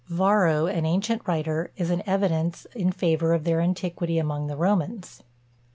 Varro, an ancient writer, is an evidence in favour of their antiquity among the Romans.